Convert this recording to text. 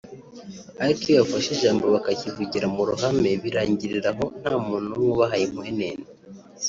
ariko iyo bafashe ijambo bakakivugira mu ruhame birangirira aho nta muntu n’umwe ubaha inkwenene